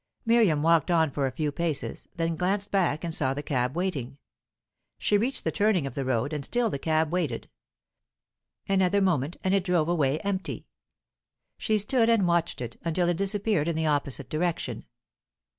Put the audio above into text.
Miriam walked on for a few paces; then glanced back and saw the cab waiting. She reached the turning of the road, and still the cab waited, Another moment, and it drove away empty. She stood and watched it, until it disappeared in the opposite direction.